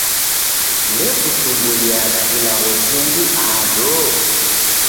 Ndekutumbuliagha ilagho jingi ado?